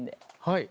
はい。